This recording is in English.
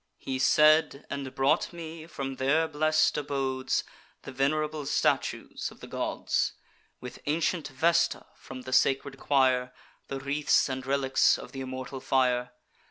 He said, and brought me, from their blest abodes, The venerable statues of the gods, With ancient Vesta from the sacred choir, The wreaths and relics of th' immortal fire.